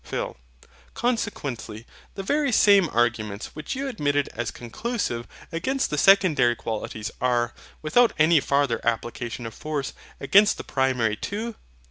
PHIL. Consequently, the very same arguments which you admitted as conclusive against the Secondary Qualities are, without any farther application of force, against the Primary too.